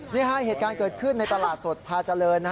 เหตุการณ์เกิดขึ้นในตลาดสดพาเจริญ